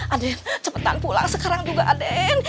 aden cepetan pulang sekarang juga aden